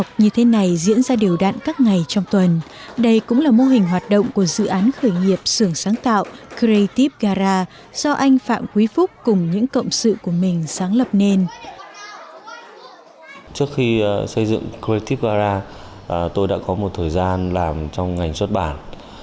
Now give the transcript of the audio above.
khi xây dựng creative garage tôi đã có một thời gian làm trong ngành xuất bản